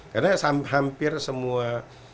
karena hampir semua